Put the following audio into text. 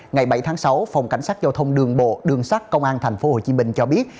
ngày bảy tháng sáu phòng cảnh sát giao thông đường bộ đường sắt công an tp hcm cho biết